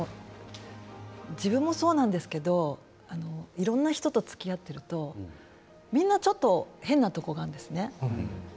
自分もそうなんですけれどいろいろな人とつきあっているとみんな、ちょっと変なところがあるんですね。